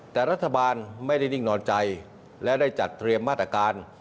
แต่รัฐบาลไม่ได้นิ่งนอนใจและได้จัดเตรียมมาตรการ